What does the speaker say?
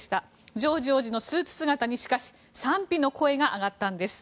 ジョージ王子のスーツ姿にしかし賛否の声です。